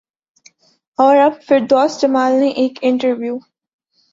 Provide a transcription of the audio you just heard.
اور اب فردوس جمال نے ایک انٹرویو